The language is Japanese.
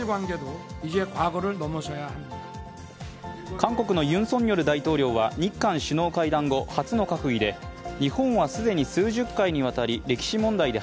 韓国のユン・ソンニョル大統領は日韓首脳会談後、初の閣議で日本は既に数十回にわたり歴史問題で